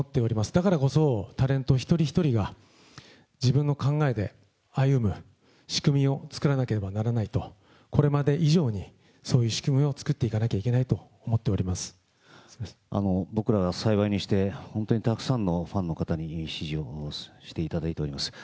だからこそ、タレント一人一人が自分の考えで歩む仕組みを作らなければならないと、これまで以上にそういう仕組みを作っていかなきゃいけないと思っ僕らは幸いにして、本当にたくさんのファンの方に支持をしていただいております。